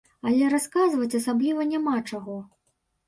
Але расказваць асабліва няма чаго.